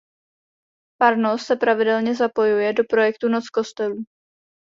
Farnost se pravidelně zapojuje do projektu Noc kostelů..